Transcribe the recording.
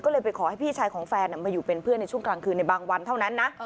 ก็เลยไปขอให้พี่ชายของแฟนมาอยู่เป็นเพื่อนในช่วงกลางคืนในบางวันเท่านั้นนะ